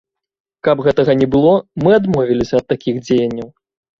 Каб гэтага не было, мы адмовіліся ад такіх дзеянняў.